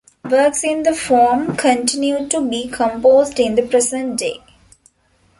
Works in the form continue to be composed in the present day.